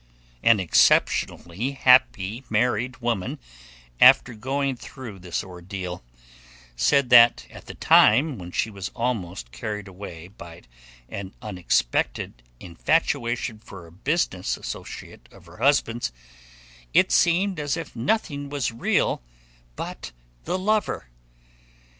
An exceptionally happy married woman, after going through this ordeal, said that at the time when she was almost carried away by an unexpected infatuation for a business associate of her husband's, it seemed as if nothing was real but the lover.